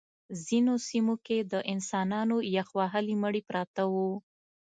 ځینو برخو کې د انسانانو یخ وهلي مړي پراته وو